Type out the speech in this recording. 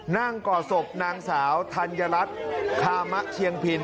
ก่อศพนางสาวธัญรัฐคามะเชียงพิน